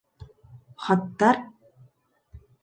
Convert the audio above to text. Хаттар?